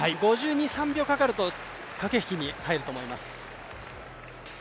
５２５３秒かかると駆け引きに入ると思います。